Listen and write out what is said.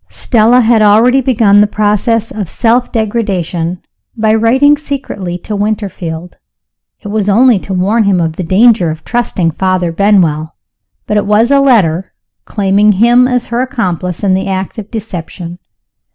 Stella had already begun the process of self degradation by writing secretly to Winterfield. It was only to warn him of the danger of trusting Father Benwell but it was a letter, claiming him as her accomplice in an act of deception.